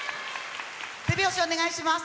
手拍子お願いします。